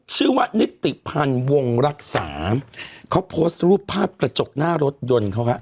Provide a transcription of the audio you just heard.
ชื่อว่านิติพันธ์วงรักษาเขาโพสต์รูปภาพกระจกหน้ารถยนต์เขาฮะ